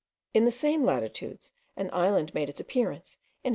In the same latitudes an island made its appearance in 1811.)